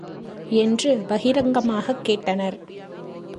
என்று பகிரங்கமாகக் கேட்டனர்!